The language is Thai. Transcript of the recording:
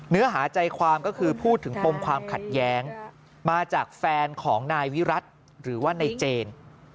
เนื้อหาใจความก็คือพูดถึงปมความขัดแย้งมาจากแฟนของนายวิรัติหรือว่านายเจน